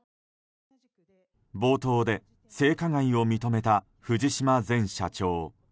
冒頭で性加害を認めた藤島前社長。